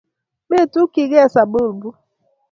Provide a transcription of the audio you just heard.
Metukyigei sabulbu